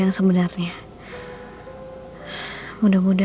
gua bisa datang kerumun